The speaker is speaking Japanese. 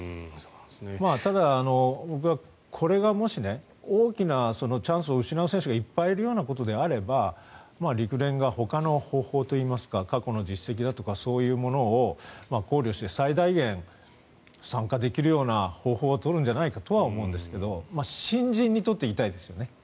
ただ、僕はこれがもし大きなチャンスを失う選手がいっぱいいるようなことであれば陸連がほかの方法といいますか過去の実績だとかそういうものを考慮して最大限、参加できるような方法を取るんじゃないかとは思うんですけど新人にとっては痛いですよね。